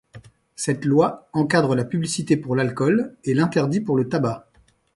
Cette loi encadre la publicité pour l'alcool et l'interdit pour le tabac.